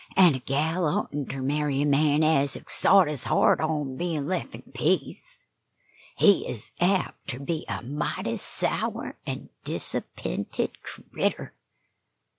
An' a gal oughtn't ter marry a man ez hev sot his heart on bein' lef' in peace. He is apt ter be a mighty sour an' disapp'inted critter."